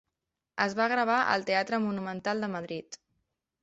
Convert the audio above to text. Es va gravar al Teatre Monumental de Madrid.